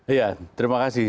iya terima kasih